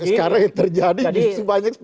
sekarang ya terjadi banyak seperti itu